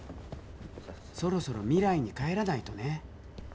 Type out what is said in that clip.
そろそろ未来に帰らないとね。